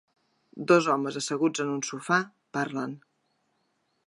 Dos homes asseguts en un sofà, parlen.